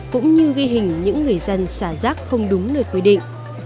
cũng như ghi hình những người dân xả rác không đúng nơi quy định